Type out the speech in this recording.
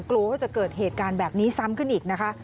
กลัวว่าจะเกิดเหตุการณ์แบบนี้ซ้ำขึ้นอีกนะคะ